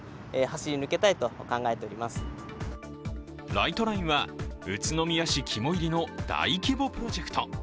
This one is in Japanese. ライトラインは宇都宮市肝煎りの大規模プロジェクト。